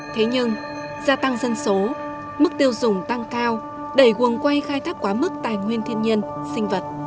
thế nhưng gia tăng dân số mức tiêu dùng tăng cao đẩy quần quay khai thác quá mức tài nguyên thiên nhiên sinh vật